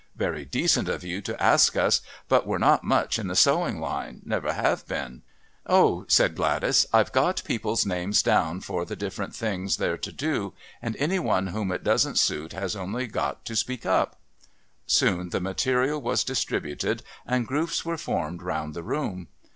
Very decent of you to ask us but we're not much in the sewing line never have been." "Oh," said Gladys, "I've got people's names down for the different things they're to do and any one whom it doesn't suit has only got to speak up." Soon the material was distributed and groups were formed round the room.